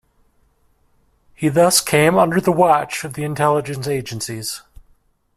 He thus came under the watch of the intelligence agencies.